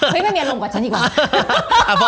ไม่มีอารมณ์กว่าฉันอีกวะ